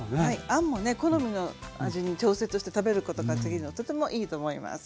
あんもね好みの味に調節して食べることができるのとてもいいと思います。